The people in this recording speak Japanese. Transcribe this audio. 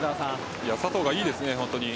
佐藤がいいですね、本当に。